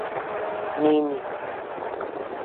Nini.